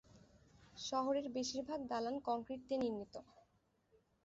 শহরের বেশিরভাগ দালান কংক্রিট দিয়ে নির্মিত।